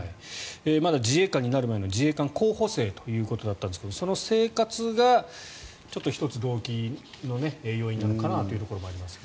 まだ自衛官になる前の自衛官候補生ということだったんですがその生活がちょっと１つ動機の要因なのかなというところがありますが。